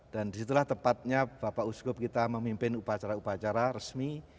dan disitulah tepatnya bapak uskup kita memimpin upacara upacara resmi